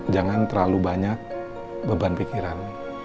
jangan terlalu banyak beban pikiran